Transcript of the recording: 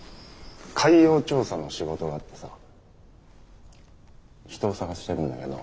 海洋調査の仕事があってさ人を探してるんだけど。